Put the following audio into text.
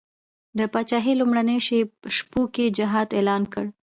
د پاچهي لومړیو شپو کې جهاد اعلان کړ.